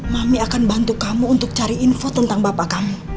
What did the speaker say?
mami akan bantu kamu untuk cari info tentang bapak kamu